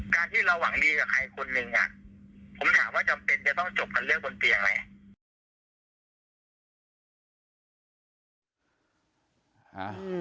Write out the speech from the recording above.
การที่เราหวังดีกับใครคนนึงอ่ะผมถามว่าจำเป็นจะต้องจบกันเรื่องบนเตียงไหม